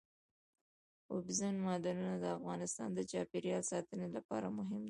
اوبزین معدنونه د افغانستان د چاپیریال ساتنې لپاره مهم دي.